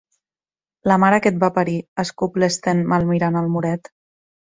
La mare que et va parir —escup l'Sten malmirant el moret.